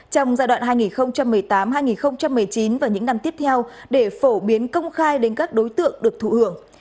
trong giai đoạn hai nghìn một mươi tám hai nghìn một mươi chín và những năm tiếp theo để phổ biến công khai đến các đối tượng được thụ hưởng